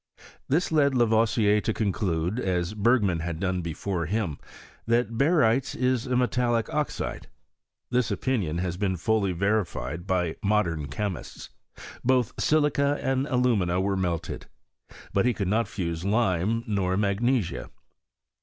This led Lavoisier to conclude, as Bergman had done before him, that Barytes is a metallic oxide. This opinion has been fully verified by modern chemists. Both silica and alumina were melted. But he could not fuse lime nor magnesia.